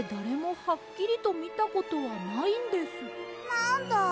なんだ。